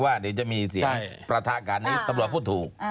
ว่าเดี๋ยวจะมีเสียงประทะกันนี้ตำรวจพูดถูก